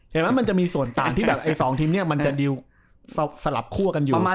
เห็นมั้ยมันจะมีส่วนต่างที่แบบไอ้๒ทีมเนี่ยมันจะดีลสลับคั่วกันอยู่